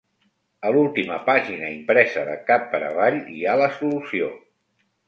A l'última pàgina, impresa de cap per avall, hi ha la solució.